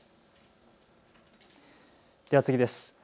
では次です。